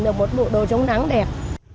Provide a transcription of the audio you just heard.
để một bộ đồ chống nắng đẹp